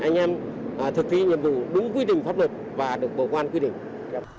chúng tôi thực hiện nhiệm vụ đúng quy định pháp luật và được bổ quan quy định